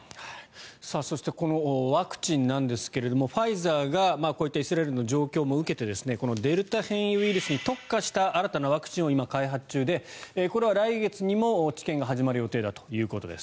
そしてワクチンなんですがファイザーがイスラエルの状況も受けてこのデルタ型に特化した新たなワクチンを開発中で来月にも治験が始まる予定だということです。